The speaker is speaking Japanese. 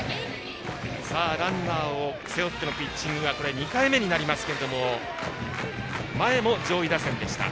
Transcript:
ランナーを背負ってのピッチングが２回目になりますが前も上位打線でした。